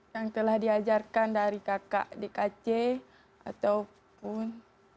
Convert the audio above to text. yang telah diajarkan dari kakak di kc ataupun